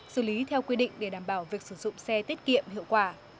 xử lý theo quy định để đảm bảo việc sử dụng xe tiết kiệm hiệu quả